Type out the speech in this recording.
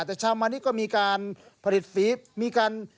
แต่ชาวมานิดก็มีการผลิตฝีมีการ